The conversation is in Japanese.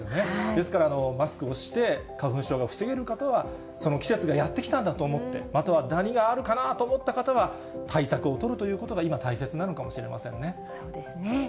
ですから、マスクをして、花粉症が防げる方は、その季節がやって来たんだと思って、またはダニがあるかなと思った方は対策を取るということが今、そうですね。